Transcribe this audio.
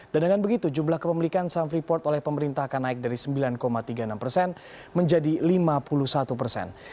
dan dengan begitu jumlah kepemilikan saham freeport oleh pemerintah akan naik dari sembilan tiga puluh enam persen menjadi lima puluh satu persen